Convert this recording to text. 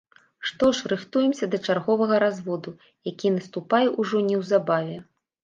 Што ж, рыхтуемся да чарговага разводу, які наступае ўжо неўзабаве.